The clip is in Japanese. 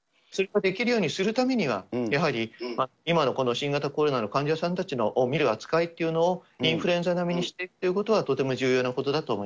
それができるようにするためには、やはり今の新型コロナの患者さんたちを診る扱いというのを、インフルエンザ並みにしていくということは、とても重要なことだ